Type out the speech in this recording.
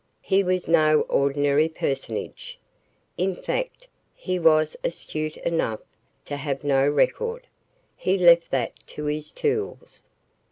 He was no ordinary personage. In fact he was astute enough to have no record. He left that to his tools.